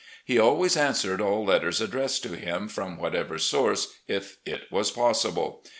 He always answered all letters addressed to him, from whatever source, if it was possible.